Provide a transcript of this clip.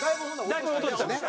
だいぶ落としたんです。